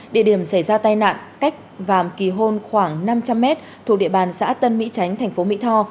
địa điểm xảy ra tai nạn cách vàm kỳ hôn khoảng năm trăm linh m thuộc địa bàn xã tân mỹ chánh thành phố mỹ tho